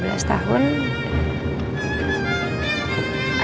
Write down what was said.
papa saya sudah berubah